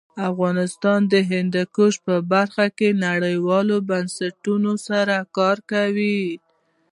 افغانستان د هندوکش په برخه کې نړیوالو بنسټونو سره کار کوي.